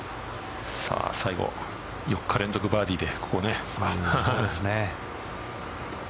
最後４日連続バーディーで。